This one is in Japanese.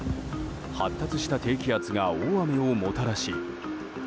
発達した低気圧が大雨をもたらし。